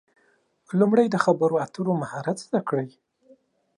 لومړی د خبرو اترو مهارت زده کړئ.